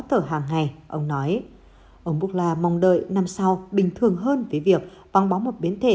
thở hàng ngày ông nói ông bukla mong đợi năm sau bình thường hơn với việc văng bóng một biến thể